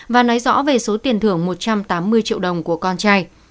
và nói rõ về số tiền thưởng một trăm tám mươi triệu đồng của con trai